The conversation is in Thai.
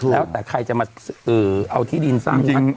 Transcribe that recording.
แล้วแต่ใครจะมาเอาที่ดินสร้าง